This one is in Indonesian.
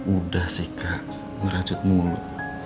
udah sih kak ngeracut mulu